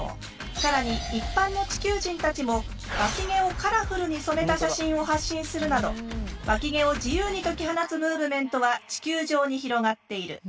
更に一般の地球人たちもわき毛をカラフルに染めた写真を発信するなどわき毛を自由に解き放つムーブメントは地球上に広がっている。